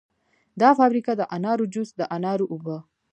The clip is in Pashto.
دا فابریکه د انارو جوس، د انارو اوبه